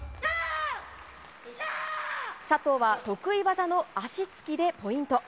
佐藤は得意技の足突きでポイント。